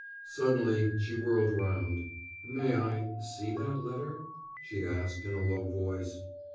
Suddenly she whirled round. "May I see that letter?" she asked in a low voice.